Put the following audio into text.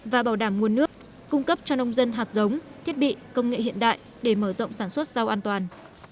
và bảo đảm nguồn nước cung cấp cho nông dân hạt giống thiết bị công nghệ hiện đại để mở rộng sản xuất rau an toàn